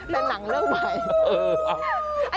มันหลังเรื่องใหม่